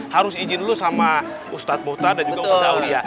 saya izin lu sama ustadz muhtar dan juga ustadz aulia